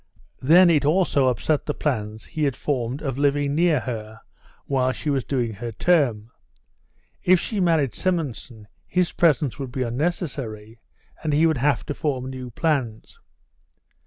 Then it also upset the plans he had formed of living near her while she was doing her term. If she married Simonson his presence would be unnecessary, and he would have to form new plans.